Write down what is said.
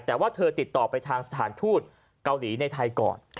แต่ว่าเธอติดต่อไปทางสถานทูตเกาหลีในไทยก่อน